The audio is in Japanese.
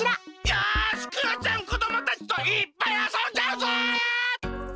よしクヨちゃんこどもたちといっぱいあそんじゃうぞ！